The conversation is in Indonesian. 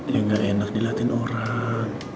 ya nggak enak dilatiin orang